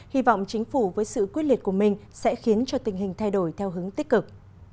hy vọng chính phủ với sự quyết liệt của mình sẽ khiến cho tình hình thay đổi theo hướng tích cực